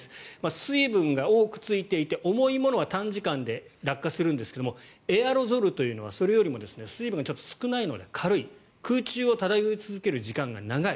水分が多くついていて重いものは短時間で落下するんですがエアロゾルというのはそれよりも水分が少ないので軽い空中を漂い続ける時間が長い。